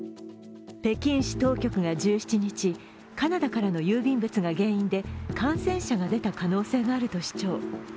北京市当局が１７日、カナダからの郵便物が原因で感染者が出た可能性があると主張。